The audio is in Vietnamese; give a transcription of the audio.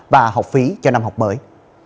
và học phí cho năm học mới